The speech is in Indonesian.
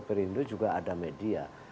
perindu juga ada media